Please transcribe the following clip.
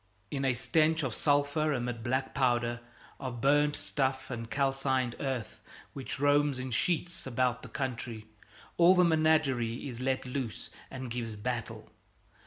In a stench of sulphur amid black powder, of burned stuffs and calcined earth which roams in sheets about the country, all the menagerie is let loose and gives battle.